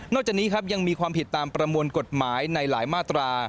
จากนี้ครับยังมีความผิดตามประมวลกฎหมายในหลายมาตรา